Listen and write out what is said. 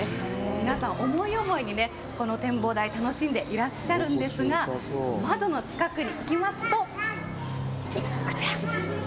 皆さん思い思いに、この展望台楽しんでいらっしゃるんですが窓の近くに行きますとこちら。